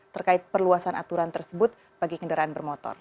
terkait perluasan aturan tersebut bagi kendaraan bermotor